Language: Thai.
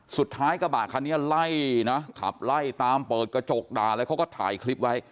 กระบะคันนี้ไล่นะขับไล่ตามเปิดกระจกด่าอะไรเขาก็ถ่ายคลิปไว้